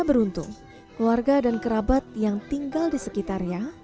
beruntung keluarga dan kerabat yang tinggal di sekitarnya